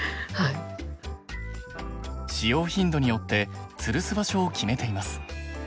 使用頻度によってつるす場所を決めています。